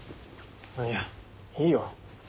いやいいよ。